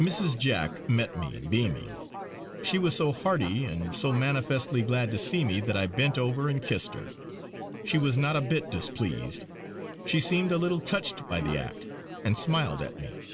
Mrs. Jack met me, beaming. She was so hearty, and so manifestly glad to see me, that I bent over and kissed her. She was not a bit displeased; she seemed a little touched by the act, and smiled at me.